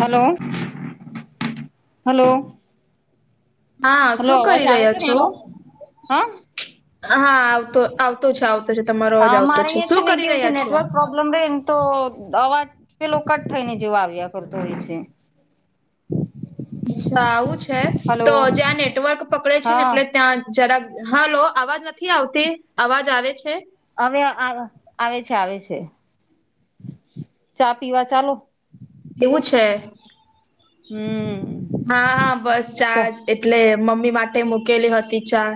Hello hello. હા hello શું અવાજ કરી આવે રહ્યા છે છો મારો હા હા આવતો આવતો છે આવ તો છે તમારો અવાજ આવતો છે શું કરી રહ્યા છો? પ પ્રોબ્લેમ તો અવાજ પેલો કટ થઈ ને જેવો આવ્યા કરતો હોય છે. અચ્છા આવું છે હલો તો જ્યાં નેટવર્ક પકડે છે ને હા એટલે ત્યાં જરાક હલો અવાજ નથી આવતી અવાજ આવે છે? હવે આવ આવે છે આવે ચા પીવા ચાલો. એવું છે. હમ્મ. હા હ બસ ચાજ એટલે મમ્મી માટે મુકેલી હતી ચા.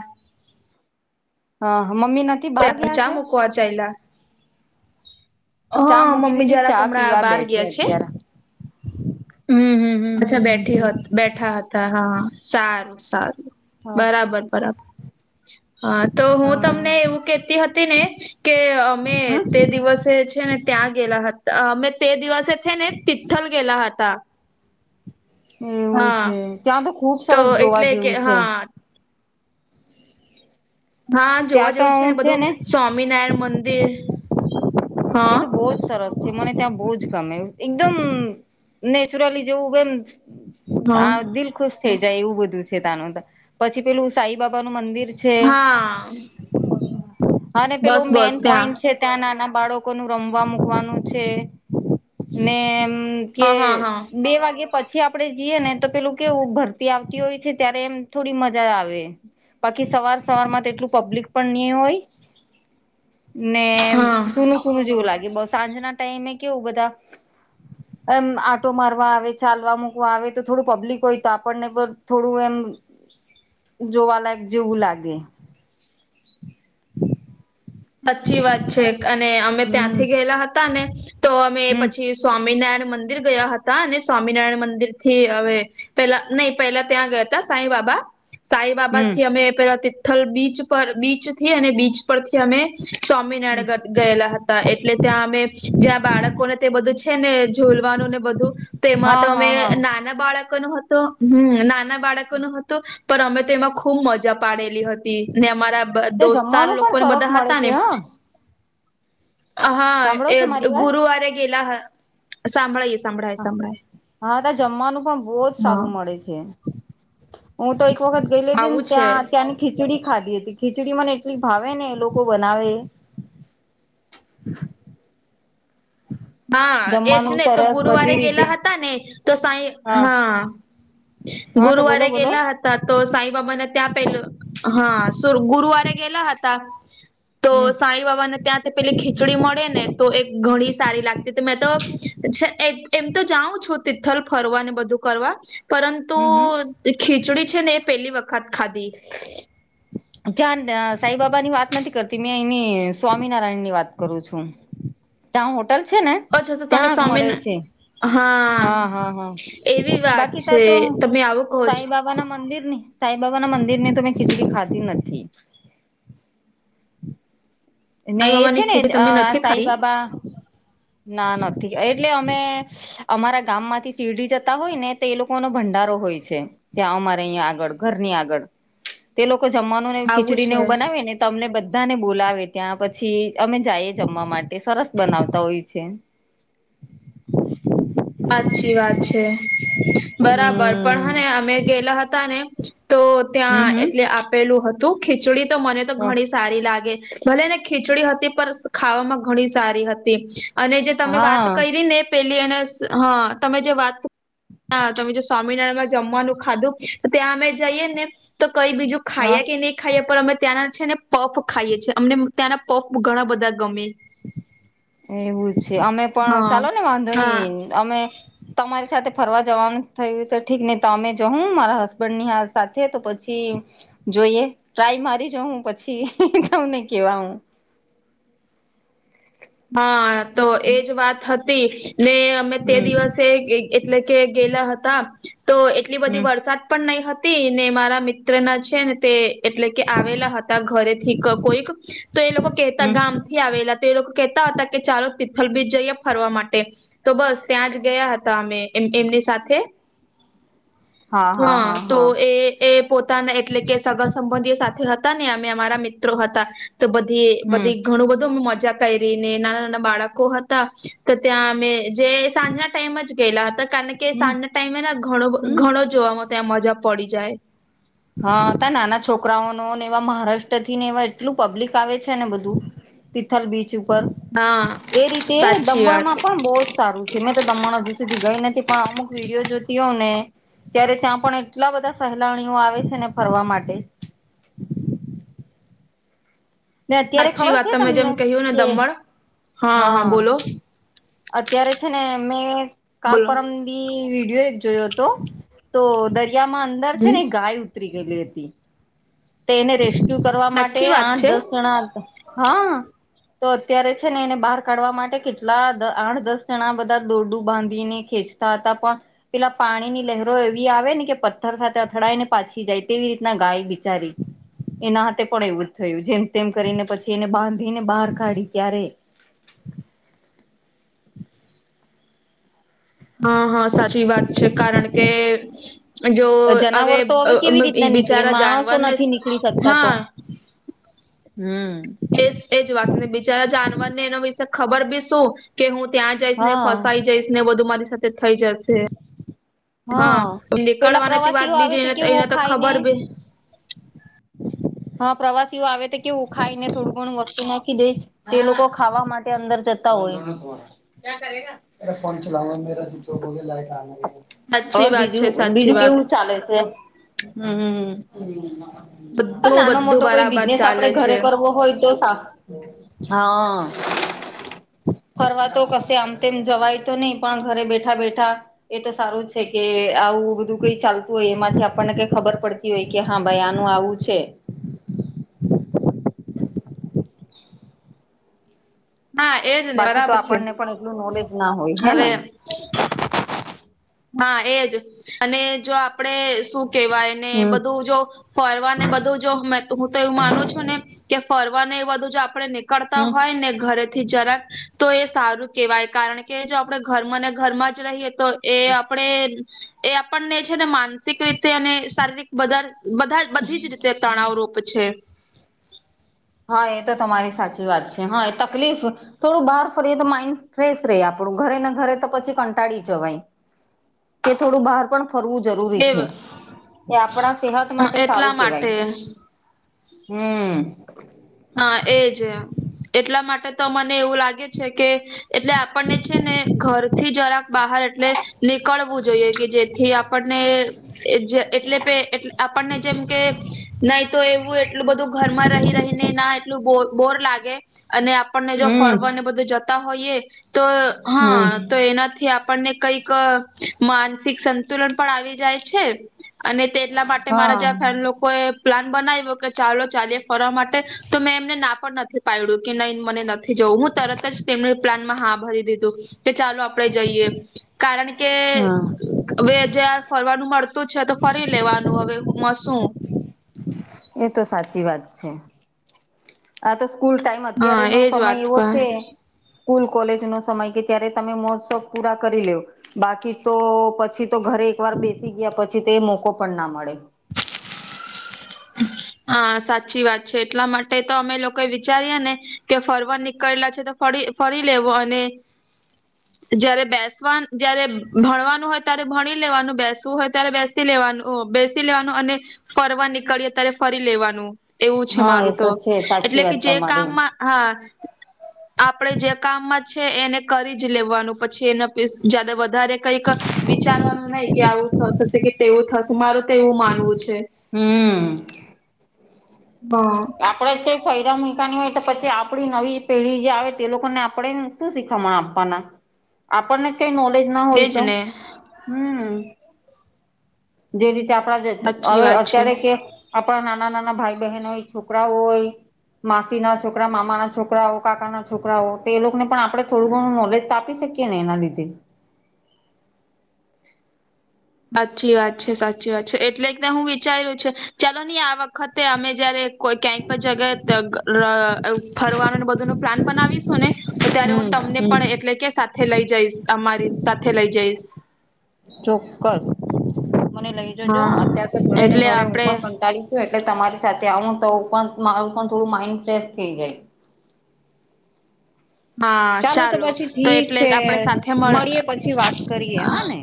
હા મમ્મી નથી. બહાર [unintelligible] ગયા ચા છે મૂકવા ચાયલા. ચા મૂકી દીધી ચા પીવા બેઠી ગયા છે અત્યારે હમ્મ હમ્મ હમ્મ. અચ્છા બેઠી હ બેઠા હતા હા સારું સારું. હા બરાબર બરાબર હા તો હું હા તમને એવું કેતી હતી ને કે અમે તે હ દિવસે છે ને ત્યાં ગેલા હતા અમે તે દિવસે છેને તિથલ ગેલા હતા. એવું હા છે ત્યાં તો ખૂબ સરસ જોવા એટલે કે જેવું છે. હા હા જોવા ત્યાં તો જેવું છે ને હું બધું સ્વામિનારાયણ મંદિર એ હા તો બહુ જ સરસ મને ત્યાં બહુજ ગમે એકદમ નેચરલી જેવું એમ... હા આ દિલ ખુશ થઈ જાય એવું બધું છે ત્યાં નું તો પછી પેલું સાઈ બાબા નું મંદિર... છે હા.. અને બસ પેલું બસ મેઇન ત્યાં પોઈન્ટ છે... ત્યાં નાના બાળકોનું રમવા મૂકવાનું છે ને એમ... હા ઘેર હા હા બે વાગે... પછી આપડે જઈએ ને તો પેલું કેવું ભરતી આવતી હોય છે ત્યારે એમ થોડી મજા આવે. બાકી સવાર સવારમાં તો એટલું પબ્લિક પણ નહી હોય. ને હા સુુંનું સુૂનું જેવું લાગે બ સાંજના ટાઈમે કેવું બધા.... [inaudible] એમ આટો મારવા આવે ચાલવા મૂકવા આવે તો થોડું પબ્લિક હોય તો આપણને પણ થોડું એમ.... જોવાલાયક જેવું લાગે.... સાચી વાત છે અને અમે હમ ત્યાંથી ગયેલા હતા ને તો અમે હમ પછી.... સ્વામિનારાયણ મંદિર ગયા હતા અને સ્વામિનારાયણ મંદિર થી હવે... પેલા નહી પેલા ત્યાં ગયા તા સાંઈ બાબા... સાંઈ બાબા થી હમ અમે પેલા તિથલ બીચ પર બીચ થી અને બીચ પરથી અમે... સ્વામિનારાયણ ગયેલા હતા એટલે ત્યાં અમે જ્યાં બાળકોને તે બધું... છે ને ઝૂલવાનુંને બધું તેમાં તો હા અમે હા હા નાના બાળક... નો હતો હમ નાના બાળકો નો હતો. પણ અમે તો એમાં ખૂબ મજા પાડેલી હતી ને અમારા... ત્યાં દોસ્તાર જમવાનું પણ લોકોને સરસ બધા મળે હતા ને છે. હ... હા સાંભળો એ છો મારી વાત ગુરુવારે ગેલા હ સાભળાયું સાભળાયું... હ હા તા જમવાનું પણ બહુ જ હા સારું મળે છે. હું તો એક વખત ગયલી હતી ને આવું છે ત્યાં ત્યાંની... ખીચડી ખાધી હતી ખીચડી મને એટલી ભાવે ને એ લોકો બનાવે એ... હા જમવાનું એજને તો સરસ ગુરુવારે બધી રીતે ગયેલા હતા ને તો સાઈ હા... હા તો બોલો ગુરવારે બોલો ગેલા હતાં... તો સાઈબાબાને ત્યા પહેલું હા ગુરુવારે ગેલા હતા... તો હમ સાંઈબાબા ને ત્યાંથી પેલી ખીચડી મળે ને તો એક ઘણી સારી લાગતી. મેં તો એમ તો જાઉં છું તિથલ ફરવા ને બધું કરવા. પરંતુ હમ હમ ખીચડી છે ને એ પેલી વખત ખાધી. [unintelligible] ત્યાં સાંઈબાબા ની વાત નથી કરતી મેં એની સ્વામિનારાયણ ની વાત કરું છું. ત્યાં હોટલ છે ને અચ્છા તો તમે ત્યાં મળે સ્વામિના છે. હ હા હ હ એવી વાત બાકી તા છે તો તમે આવું કહો છો સાંઈબાબા... બા ના મંદિર ની સાંઈબાબા ના મંદિર ની તો મેં ખીચડી ખાતી જ નથી. મારી ને એ છે મામાની ખીચડી ને તમે અ નથી ખાધી સાંઈબાબા ના નથી એટલે અમે... અમારા ગામ માંથી શીરડી જતા હોય ને તો એ લોકો નો ભંડારો હોય છે. ત્યાં અમારે અહીં આગળ ઘર ની આગળ. તે લોકો જમવાનું ને આવું ખીચડી ને છે એવું બનાવે ને તો અમને બધાને બોલાવે. ત્યાં પછી અમે જાઈએ જમવા માટે સરસ બનાવતા હોય છે. સાચી વાત છે બરાબર પણ હમ્મ. હને અમે ગયેલા હતા ને... તો હમ્મ ત્યાં હમ્મ એટલે આપેલું હતું ખીચડી તો મને તો ઘણી જ... સારી લાગે. ભલે ને ખીચડી હતી પણ ખાવામાં ઘણી સારી હતી. અને જે તમે વાત હા કરી ને પેલી અને હ તમે જે વાત... હા તમે જો સ્વામિનારાયણ માં જમવાનું ખાધું તો ત્યાં અમે જઈએ ને તો કઈ બીજું હા ખાઈએ કે નહીં ખાઈએ પણ અમે ત્યાંના છે ને પફ ખાઈએ છીએ અમને ત્યાંના પફ ઘણા બધા ગમે એવું છે અમે પણ હા ચાલો ને વાંધો નઈ હા અમે તમારી સાથે ફરવા જવાનું થયું તો ઠીક નહી તમે જઉં મારા હસબન્ડ ની સાથે તો પછી જોઈએ ટ્રાય મારી જેહુ પછી તુંમને કેવા હું હા તો એજ વાત હતી ને અમે તે હમ્મ દિવસે એટલે કે ગેલા હતા તો એટલી બધી હમ્મ વરસાદ પણ નહી હતી ને મારા મિત્ર ના છે ને તે એટલે કે આવેલા હતા ઘરેથી કોઈક તો એ લોકો કેહેતા હમ્મ ગામ થી આવેલા તો એ લોકો કહેતા હતા કે ચાલો તિથલ બીજ જઈએ ફરવા માટે તો બસ ત્યાં જ ગયા હતા અમે એમની સાથે હા હ હા હા તો હા એ એ પોતાના એટલે કે સગા સંબંધી સાથે હતા ને અમે અમારા મિત્રો હતા તો બધી હમ્મ બધી ઘણું બધું મજાક કયરીને નાના નાના બાળકો હતા તો ત્યાં અમે જે સાંજના ટાઈમ જ ગેયલા હતા કારણ કે હમ્મ સાંજના ટાઈમેના ઘણો હમ્મ ઘણો જોવામાં ત્યા મજા પડી જાય હા તાં નાના છોકરાઓનો ને એવા મહારાષ્ટ્ર થી ને એવા એટલું પબ્લિક આવે છે ને બધું તિથલ બીચ ઉપર હા એ રીતે સાચી વાત દમણમાં પણ બો જ સારું છે. તી મે તો દમણ હજુ સુધી ગઈ નથી પણ અમુક વિડીયો જોતી હોવ ને ત્યારે ત્યાં પણ એટલા બધા સહેલાણીઓ આવે છે ને ફરવા માટે ને અત્યારે સાચી ખબર વાત છે તમે તમને જેમ કહ્યું ને કે દમણ હ હા હા બોલો અત્યારે છે ને મેં કાલ બોલો પરમ તી વિડીયો એક જોયો હતો તો દરિયામાં અંદર છે હમ ને ગાય ઉતરી ગયેલી હતી. તે એને રેસ્ક્યુ કરવા માટે સાચી વાત આઠ છે દસ જણા હતા હા તો અત્યારે છે ને એને બાર કાઢવા માટે કેટલા દ આઠ દસ જણા બધા દોરડું બાંધી ને ખેંચી તા હતા પણ પેલા પાણીની લહેરો એવી આવે ને કે પથ્થર સાથે અથડાય ને પાછી જાય તેવી રીતના ગાય બી તારિ એના હાથે પણ એવું જ થયું જેમ તેમ કરીને પછી એને બાંધીને બાર કાઢી ત્યારે હા હા સાચી વાત છે કારણ કે જો હવે જનાવર તો કેવી રીતના અ નીકળે બિચારા જાનવરને હા હું એજ એજ વાતને બીજાચારા જાનવરને એના વિશે ખબર બી શું કે હું ત્યાં જઈશ ને હા ફસાઈ જઈશ ને બધું મારી સાથે થઇ જશે. હા પેલા નીકળવાની વાત પ્રવાસીઓ આવે બીજી એને એને કેવું તો ખાઈને ખબર બી હા પ્રવાસીઓ આવે તે કેવું ખાઈને થોડું ઘણું વસ્તુ નાખી દે તે લોકો ખાવા માટે અંદર જતા હોય. કયા કરેગા એ ફોન ચલાવા મેરા [unintelligible] સાચી ઓર વાત બીજું છે સાચી બીજું વાત કેવું ચાલે છે હું હું હું હ બધું નાનો બધું મોટો કોઈ બરાબર બિઝનેસ આપડે ચાલે ઘરે છે કરવો હોય તો સા હાઅ. ‍ ફરવા તો કશે આમ તેમ જવાય તો નઈ પણ ઘરે બેઠા બેઠા એ તો સારું છે કે આવું બધું કઈ ચાલતું હોય એમાંથી આપણને કઈ ખબર પડતી હોય કે હા ભાઈ આનું આવું છે હા એ બાકી તો આપણને પણ એટલું નોલેજ ના હોય હે ને? હવે હા એજ અને જો આપડે શું કેવાયને હમ બધું જો ફરવાને બધું જો મે તો હું તો એવું માનું છું ને કે ફરવાને એ બધું જો આપડે નિક કળતા હમ હોય ને ઘરે થી જરાક તો એ સારું કેવાય કારણ કે જો આપડે ઘરમાં ને ઘરમાં જ રહીએ તો એ આપડે એ આપણને છે ને માન સિક રીતે અને શારીરિક બદન બધાજ બધી જ રીતે તણાવ રોપે છે. હા એ તો તમારી સાચી વાત છે હા એ તકલીફ થોડું બાર ફરીએ તો માઈન્ડ ફ્રેશ રેય આપદું ઘરે ને ઘરે તો પછી કંટાળી જવાય. કે થોડું બહાર પણ ફરવું જરૂરી એ છે એ આપડા સેહત માટે એટલા સારું માટે કેવાય. હમ્મ. હા એજ એમ. એટલા માટે તો મને એવું લાગે છે કે એટલે આપણને છે ને ઘરથી જરાક બહાર એટલે નીકળવું જોઈએ કે જેથી આપણને એજે એટલે પે આપણને જેમ કે નઈ તો એવું એટલું બધું ઘરમાં રહી રહીને ના ટલું બોર લાગે અને આપણને જો હમ ફરવાને બધું જતા હોઈએ તો હમ હા તો એનાથી આપણને કઈક અહ માનસિક સંતુલન પણ આવી જાય છે અને તેટલા માટે માટે હા મારા જ્યાં ફેમ લોકોએ પ્લાન બનાવ્યો કે ચાલો ચા ફરવા માટ તો મેં એમને ના પણ નથી પાડ્યું કે નહી મને નથી જવું હું તરત જ પ્લાન મેં હા ભરી દીધું કે ચાલુ આપડે જઈએ કારણ કે હા હવે જાર ફરવાનું મળતું છે તો ફરી લેવાનું હવે હું માં શું એ તો સાચી વાત છે. આ તો સ્કૂલ ટાઈમ હા અત્યારે નો એજ સમય વાત એવો પણ છે સ્કૂલ કોલેજ નો સમય કે ત્યારે તમે મોજ શોક પૂરા કરી લ્યો. બાકી તો પછી તો ઘરે એક વાર બેસી ગયા પછી તો એ મોકો પણ ના મળે. હા સાચી વાત છે એટલા માટે તો અમે લોકો વિચારીએ ને કે ફરવા નીકળેલા છે તો ફળી ફરી લેવો અને જયારે બેસવાનું જયારે ભણવાનું હોય ત્યારે ભણી લેવાનું બેસવું હોય ત્યારે બેસ બેસી લેવાનું અહ બેસી લેવાનું અને ફરવા નીકળીએ ત્યારે ફરી લેવાનું. એવું છે હા એ મારું તો છે સાચી એટલે કે વાત જે તમારી કામમાં હા આપડે જે કામમાં છે એને કરી જ લેવાનું પછી એના જ્યાદા વધારે કઈક વિચારવાનું નહી કે આવું થશે. કે તેવું થશે મારું તો એવું માનવું છે. હમ્મ. હા. આપડે કઈ ફાયદા મૂકાની હોય તો પછી આપડી નવી પેઢી જે આવે તે લોકોને આપડે શું શીખવામાં આપવાના આપણને કઈ નોલેજ ના હોય એજ તો ને હમ્મ. જે રીતે આપણા સાચી હવે વાત છે. અત્યારે કે આપણા નાના નાના ભાઈ બહેન હોય છોકરાઓ હોય. માસી ના છોકરા મામા ના છોકરા હો કાકા ના છોકરા હો તો એ લોકોને પણ આપણે થોડું ઘણું નોલેજ તો આપી શકીએ. કેને એના લીધે સાચી વાત છે સાચી વાત છે એટલે હું વિચાર્યું છે ચાલો નહી આ વખતે અમે જયારે કોઈ ક્યાંક જગ્યા અ ફરવાનું બધું નું પ્લાન બનાવીશું ને તો ત્યારે હમ હું તમને હમ પણ એટલે કે સાથે લઈ જઈશ અમારી સાથે લઈ જઈશ. ચોક્કસ મને લઈ જજો હા અત્યાર તો ઘરે ને એટલે ઘરે હું આપડે પણ કંટાળીશ એટલે તમારી સાથે આવું તો પણ મારું પણ થોડું માઈન્ડ ફ્રેશ થઈ જાય. હા ચાલુ તો ચાલો પછી તો ઠીક એટલે છે આપડે સાથે મળે મળીયએ પછી વાત કરીએ હા ને?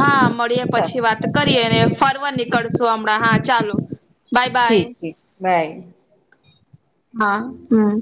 હા મળીએ પછી વાત કરીએ ને ફરવા નીકળશો હમણાં હા ચાલો. બાય ઠીક બાય ઠીક બાય હા હમ્મ.